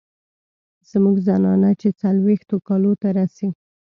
زمونږ زنانه چې څلوېښتو کالو ته رسي